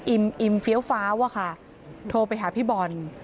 อิ่มเฟี้ยวฟ้าวอะค่ะโทรไปหาพี่บอล